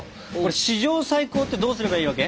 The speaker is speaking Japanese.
史上最高ってどうすればいいわけ？